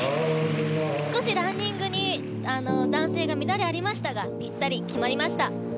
少しランディングに男性が乱れ、ありましたがぴったり切りました。